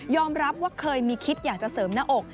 รับว่าเคยมีคิดอยากจะเสริมหน้าอก